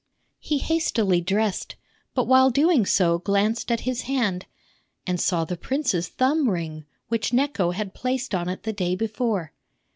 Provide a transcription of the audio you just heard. He hastily dressed, but while doing so glanced at his hand, and saw the prince's thumb ring, which Necho had placed on it the day before.